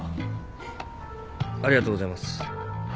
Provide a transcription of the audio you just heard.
ありがとうございます。